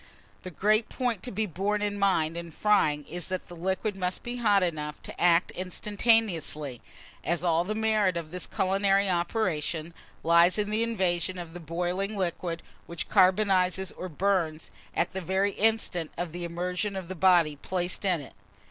The great point to be borne in mind in frying, is that the liquid must be hot enough to act instantaneously, as all the merit of this culinary operation lies in the invasion of the boiling liquid, which carbonizes or burns, at the very instant of the immersion of the body placed in it.